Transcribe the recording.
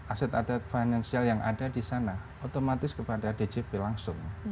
aset aset financial yang ada di sana otomatis kepada djp langsung